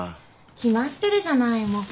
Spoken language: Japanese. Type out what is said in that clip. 決まってるじゃないもう。